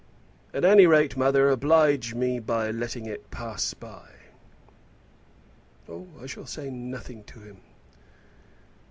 "At any rate, mother, oblige me by letting it pass by." "Oh, I shall say nothing to him."